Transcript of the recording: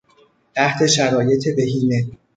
تحت شرایط بهینه